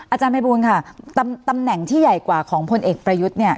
อาจารย์พระบุญค่ะตำแหน่งที่ใหญ่กว่าของพลเอกประยุทธิ์